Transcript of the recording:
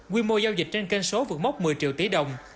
quy mô giao dịch trên kênh số vượt mốc một mươi triệu tỷ đồng